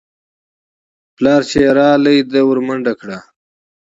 پلار چې يې راغى ده ورمنډه کړه.